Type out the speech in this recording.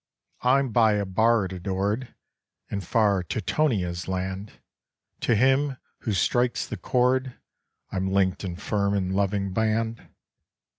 "I'm by a bard adored In far Teutonia's land; To him, who strikes the chord, I'm linked in firm and loving band."